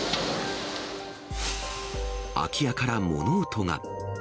空き家から物音が。